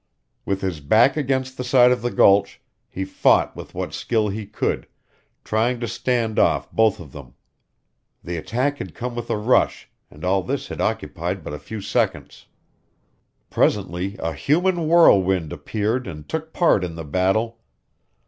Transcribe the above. With his back against the side of the gulch, he fought with what skill he could, trying to stand off both of them. The attack had come with a rush, and all this had occupied but a few seconds. Presently a human whirlwind appeared and took part in the battle.